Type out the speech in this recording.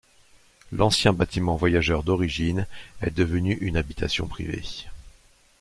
L'ancien bâtiment voyageurs d'origine est devenue une habitation privée.